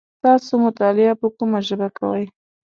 تاسو مطالعه په کومه ژبه کوی ؟